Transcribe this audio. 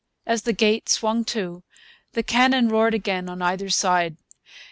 As the gate swung to, the cannon roared again on either side.